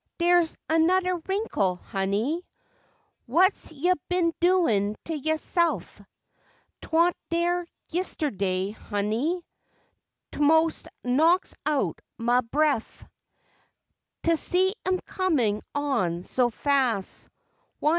dere's anoder wrinkle, honey, What's yo' bin doin' t'yo' se'f ? T'want dere yisterday, honey, T'most knocks out mah bref T'see 'em cornin' on so fas', Why!